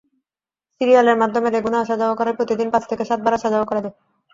সিরিয়ালের মাধ্যমে লেগুনা আসা-যাওয়া করায় প্রতিদিন পাঁচ থেকে সাতবার আসা-যাওয়া করা যায়।